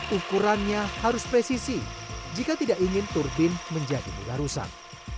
ukurannya harus presisi jika tidak ingin turbin menjadi mularusan